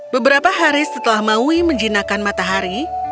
beberapa hari setelah maui menjinakkan matahari